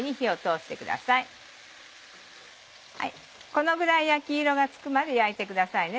このぐらい焼き色がつくまで焼いてくださいね。